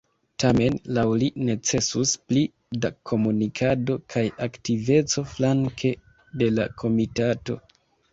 Tamen laŭ li necesus pli da komunikado kaj aktiveco flanke de la komitato.